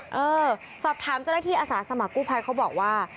เออสอบถามเจ้าหน้าที่อาสาสมัครกู้ภัยเขาบอกว่า